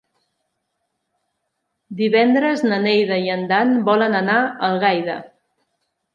Divendres na Neida i en Dan volen anar a Algaida.